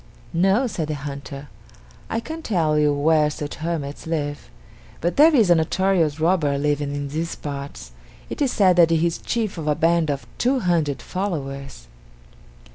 "No," said the hunter; "I can't tell you where such hermits live, but there is a notorious robber living in these parts. It is said that he is chief of a band of two hundred followers."